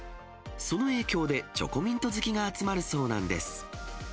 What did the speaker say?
その影響で、チョコミント好きが集まるそうなんです。